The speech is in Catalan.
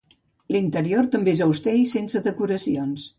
L'interior també és auster i sense decoracions.